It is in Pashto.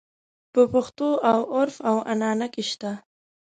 په پښتو او عُرف او عنعنه کې شته.